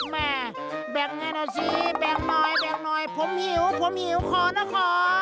แบ่งให้หน่อยสิแบ่งหน่อยแบ่งหน่อยผมหิวผมหิวขอนะคะ